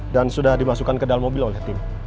dan sudah dimasukkan ke dalam mobil oleh tim